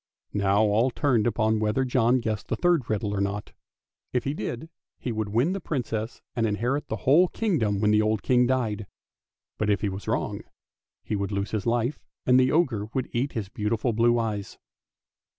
Now all turned upon whether John guessed the third riddle or not. If he did, he would win the Princess and inherit the whole kingdom when the old King died ; but if he was wrong, he would lose his life, and the ogre would eat his beautiful blue eyes.